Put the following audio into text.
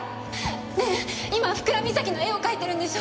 ねえ今福浦岬の絵を描いてるんでしょ？